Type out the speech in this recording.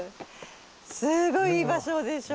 すごいいい場所でしょ